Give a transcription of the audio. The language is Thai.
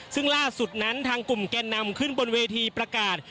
ซึ่งล่าสุดนั้นทางกลุ่มแก่นำขึ้นบนเวทีประกาศ